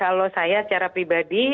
kalau saya secara pribadi